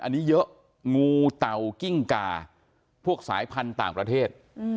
อันนี้เยอะงูเตากิ้งกาพวกสายพันธุ์ต่างประเทศ